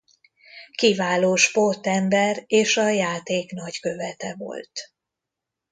Kiváló sportember és a játék nagykövete volt.